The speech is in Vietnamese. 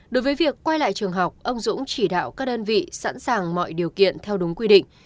đối với việc quay lại trường học ông dũng chỉ đạo các đơn vị sẵn sàng mọi điều kiện theo đúng quy định